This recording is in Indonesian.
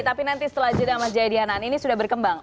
tapi nanti setelah jeda mas jaya dihanan ini sudah berkembang